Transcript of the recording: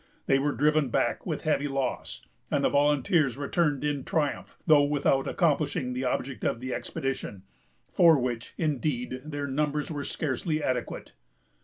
They were driven back with heavy loss; and the volunteers returned in triumph, though without accomplishing the object of the expedition; for which, indeed, their numbers were scarcely adequate.